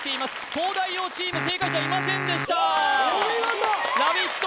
東大王チーム正解者いませんでしたお見事ラヴィット！